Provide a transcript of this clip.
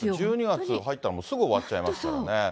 １２月に入ったら、もうすぐ終わっちゃいますからね。